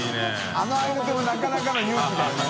あの合いの手もなかなかの勇気だよね。）